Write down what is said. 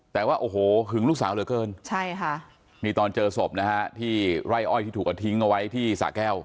แต่ว่าโอ้โหหึงลูกสาวเหลือเกินใช่ค่ะนี่ตอนเจอศพนะฮะที่ไร่อ้อยที่ถูกเอาทิ้งเอาไว้ที่สะแก้ว